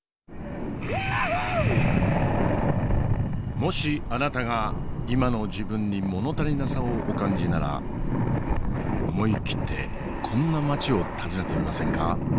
もしあなたが今の自分に物足りなさをお感じなら思い切ってこんな街を訪ねてみませんか？